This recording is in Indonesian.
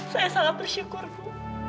saya sangat bersyukur bu